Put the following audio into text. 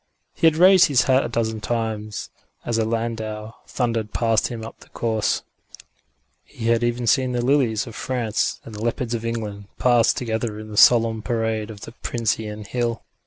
He had raised his hat a dozen times as a landau thundered past him up the Course; he had even seen the lilies of France and the leopards of England pass together in the solemn parade of the Pincian Hill.